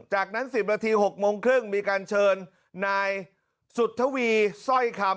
จากนั้น๑๐นาที๖โมงครึ่งมีการเชิญนายสุธวีสร้อยคำ